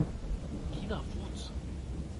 Quina votz!